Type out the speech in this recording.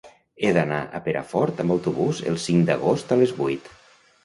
He d'anar a Perafort amb autobús el cinc d'agost a les vuit.